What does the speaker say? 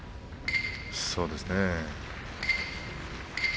そうですね。